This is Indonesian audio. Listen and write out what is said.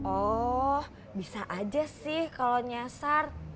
oh bisa aja sih kalau nyasar